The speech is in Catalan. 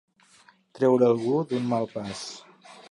Treure algú d'un mal pas.